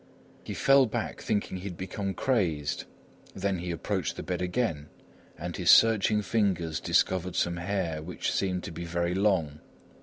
He fell back, thinking he had become crazed; then he approached the bed again and his searching fingers discovered some hair which seemed to be very long.